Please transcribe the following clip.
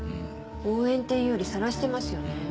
応援っていうよりさらしてますよね。